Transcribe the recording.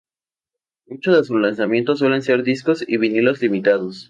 Muchos de sus lanzamientos suelen ser discos y vinilos limitados.